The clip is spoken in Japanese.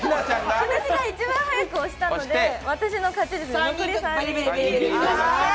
私が一番早く押したので私の勝ちですね。